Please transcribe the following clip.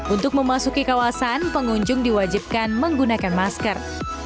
untuk memasuki kawasan pengunjung diwajibkan menggunakan masker